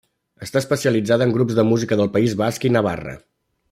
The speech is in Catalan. Està especialitzada en grups de música del País Basc i Navarra.